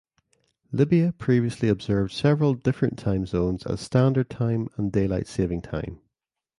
Libya previously observed several different time zones as standard time and daylight saving time.